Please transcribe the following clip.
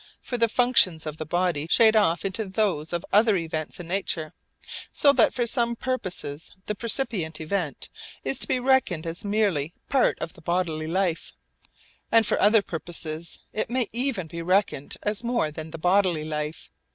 For the functions of the body shade off into those of other events in nature; so that for some purposes the percipient event is to be reckoned as merely part of the bodily life and for other purposes it may even be reckoned as more than the bodily life.